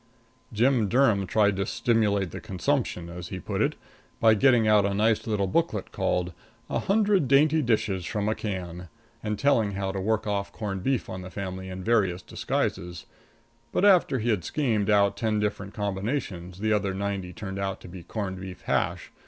Jim Durham tried to "stimulate the consumption," as he put it, by getting out a nice little booklet called, "A Hundred Dainty Dishes from a Can," and telling how to work off corned beef on the family in various disguises; but, after he had schemed out ten different combinations, the other ninety turned out to be corned beef hash.